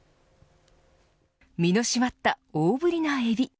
身の締まった大ぶりなエビ。